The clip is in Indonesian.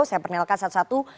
saya pernialkan satu satu